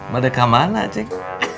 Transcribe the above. mada kamar mana ceng